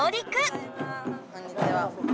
こんにちは。